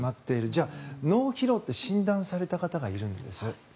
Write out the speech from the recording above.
じゃあ、脳疲労って診断された方がいるんです。